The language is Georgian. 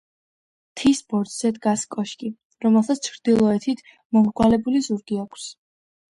მთის ბორცვზე დგას კოშკი, რომელსაც ჩრდილოეთით მომრგვალებული ზურგი აქვს.